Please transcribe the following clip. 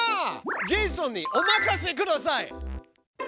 ジェイソンにお任せください！